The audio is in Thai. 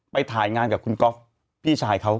ไปถ่ายงานกับคุณก๊อฟพี่ชายเขา